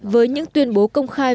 với những tuyên bố công khai